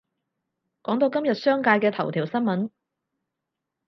講到今日商界嘅頭條新聞